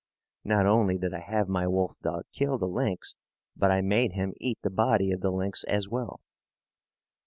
Not only did I have my wolf dog kill the lynx, but I made him eat the body of the lynx as well.